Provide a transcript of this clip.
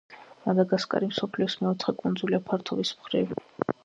მადაგასკარი მსოფლიოს მეოთხე კუნძულია ფართობის მხრივ.